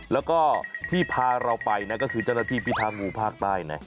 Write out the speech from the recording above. แล้วก็ที่พาเราไปนะก็คือจนาที่พิธามูภาคใต้นะ